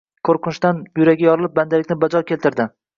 Qo‘rqinchdan yuragi yorilib bandalikni bajo keltirdi